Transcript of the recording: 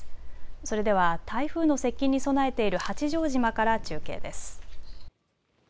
それでは台風の接近に備えている八丈島から中継です。